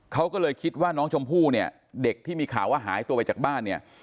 เขาก็เลยคิดว่าน้องชมพู่เนี่ยเด็กที่มีข่าวว่าหายตัวไปจากบ้านเนี่ย